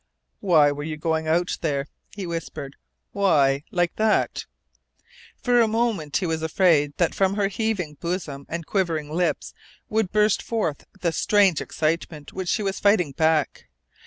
"Why were you going out there?" he whispered. "Why like that?" For a moment he was afraid that from her heaving bosom and quivering lips would burst forth the strange excitement which she was fighting back.